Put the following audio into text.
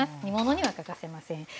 煮物には欠かせません。